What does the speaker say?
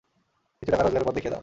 কিছু টাকা রোজগারের পথ দেখিয়ে দাও।